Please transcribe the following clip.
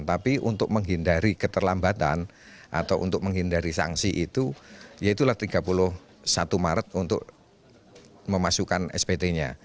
tapi untuk menghindari keterlambatan atau untuk menghindari sanksi itu yaitulah tiga puluh satu maret untuk memasukkan spt nya